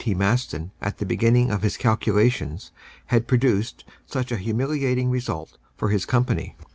T. Maston at the beginning of his calculations had produced such a humiliating result for his Company.